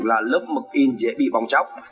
là lớp mực in dễ bị bóng trọng